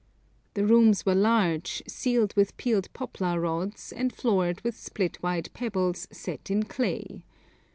The rooms were large, ceiled with peeled poplar rods, and floored with split white pebbles set in clay.